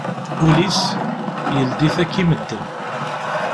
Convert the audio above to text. Ul-is, yeldi-t akk i medden.